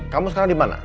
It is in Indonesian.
kamu sekarang di mana